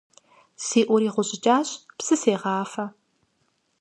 Си Ӏур игъущӀыкӀащ, псы сегъафэ.